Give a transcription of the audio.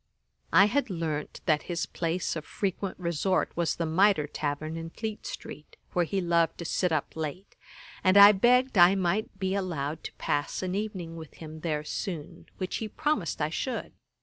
I had learnt that his place of frequent resort was the Mitre tavern in Fleet street, where he loved to sit up late, and I begged I might be allowed to pass an evening with him there soon, which he promised I should.